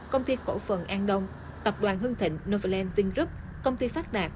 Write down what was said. công ty cổ phần an đông tập đoàn hưng thịnh novaland vingroup công ty phát đạt